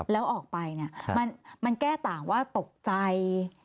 แล้วออกไปเนี่ยมันแก้ต่างว่าตกใจ